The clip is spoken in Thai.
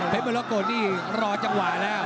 เพปเวอร์ล็อกโกดนี่รอจังหวะแล้ว